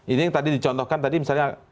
ini yang tadi dicontohkan tadi misalnya